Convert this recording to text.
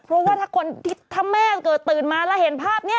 เพราะว่าถ้าแม่เกิดตื่นมาแล้วเห็นภาพนี้